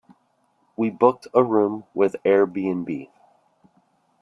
We booked a room with Airbnb.